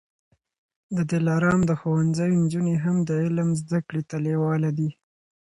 د دلارام د ښوونځیو نجوني هم د علم زده کړې ته لېواله دي.